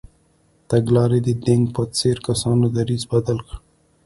تګلارې د دینګ په څېر کسانو دریځ بدل کړ.